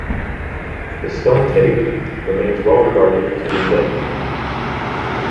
"The Stone Tape" remains well-regarded to this day.